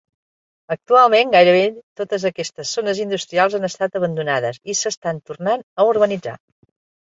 Actualment, gairebé totes aquestes zones industrials han estat abandonades i s'estan tornant a urbanitzar.